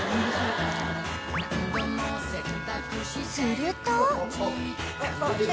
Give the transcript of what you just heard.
［すると］